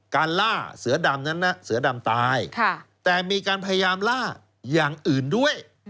ล่าเสือดำนั้นเสือดำตายแต่มีการพยายามล่าอย่างอื่นด้วย